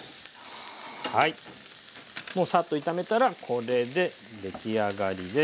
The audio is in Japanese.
もうサッと炒めたらこれで出来上がりです。